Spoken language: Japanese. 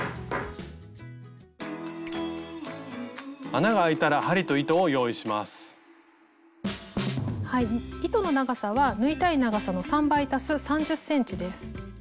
穴があいたら糸の長さは縫いたい長さの３倍足す３０ｃｍです。